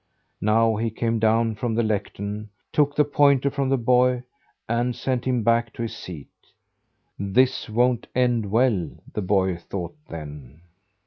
Now he came down from the lectern, took the pointer from the boy, and sent him back to his seat. "This won't end well," the boy thought then.